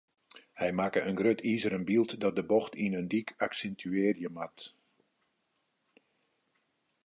Hy makke in grut izeren byld dat de bocht yn in dyk aksintuearje moat.